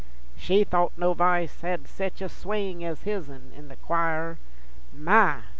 She thought no v'ice hed sech a swing Ez hisn in the choir; My!